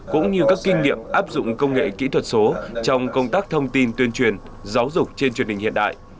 cũng như các kinh nghiệm áp dụng công nghệ kỹ thuật số trong công tác thông tin tuyên truyền giáo dục trên truyền hình hiện đại